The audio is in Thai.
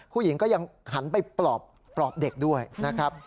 ผู้หญิงก็ยังหันไปปลอบเด็กด้วยนะครับ